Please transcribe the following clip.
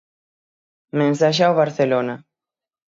Mensaxe ao Barcelona.